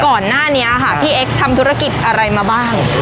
ก่อนหน้านี้ค่ะพี่เอ็กซ์ทำธุรกิจอะไรมาบ้าง